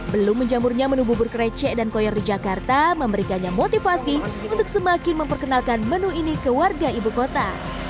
belum menjamurnya menu bubur krecek dan koyor di jakarta memberikannya motivasi untuk semakin memperkenalkan menu ini ke warga ibu kota